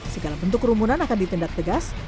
segala bentuk kerumunan akan ditindak tegas